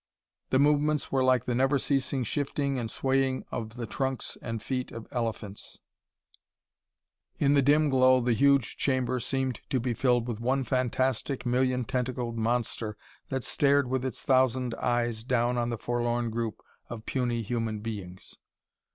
The movements were like the never ceasing shifting and swaying of the trunks and feet of elephants; in the dim glow the huge chamber seemed to be filled with one fantastic, million tentacled monster that stared with its thousand eyes down on the forlorn group of puny human beings....